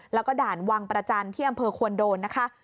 แล้วก็ด่านวังประจันทร์ที่อำเภอควนโดนนะคะ